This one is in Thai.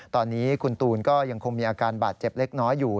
ตอนนี้คุณตูนก็ยังคงมีอาการบาดเจ็บเล็กน้อยอยู่